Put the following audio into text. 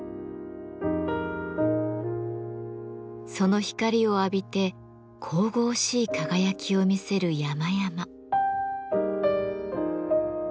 その光を浴びて神々しい輝きを見せる山々。